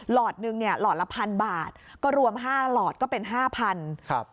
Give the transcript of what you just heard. หลอดหนึ่งหลอดละ๑๐๐๐บาทก็รวม๕หลอดก็เป็น๕๐๐๐บาท